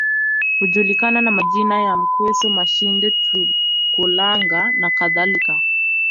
Hujulikana kwa majina ya Mkweso Machindi Tukulanga nakadhalika